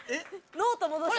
ノート戻して。